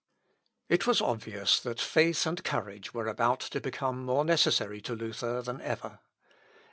] It was obvious that faith and courage were about to become more necessary to Luther than ever.